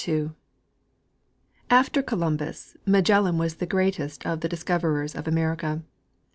After Columbus, Magellan was the greatest of the discoverers of America.